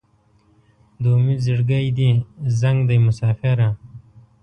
د امید زړګی دې زنګ دی مساپره